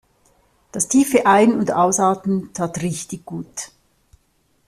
Das tiefe Ein- und Ausatmen tat richtig gut.